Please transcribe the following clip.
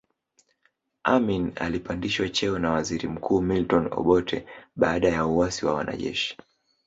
Amin alipandishwa cheo na waziri mkuu Milton Obote baada ya uasi wa wanajeshi